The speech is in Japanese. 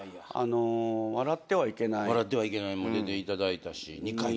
『笑ってはいけない』出ていただいたし２回も。